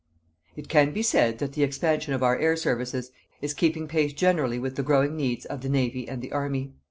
It can be said that the expansion of our Air Services is keeping pace generally with the growing needs of the Navy and the Army.